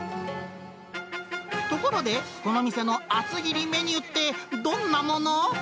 ところで、この店の厚切りメニューって、どんなもの？